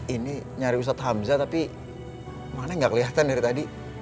ini nyari buset hamsa tapi mana gak kelihatan dari tadi